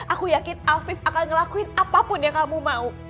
aku yakin afif akan ngelakuin apapun yang kamu mau